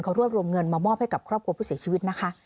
เขารวบรวมเงินมามอบให้กับครอบครัวผู้เสียชีวิตนะคะ